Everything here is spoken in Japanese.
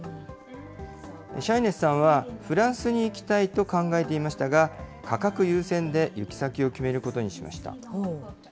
シャイネスさんは、フランスに行きたいと考えていましたが、価格優先で行き先を決めることにしました。